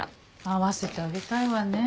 会わせてあげたいわね。